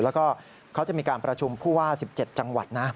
แล้วก็เขาจะมีการประชุมผู้ว่า๑๗จังหวัดนะ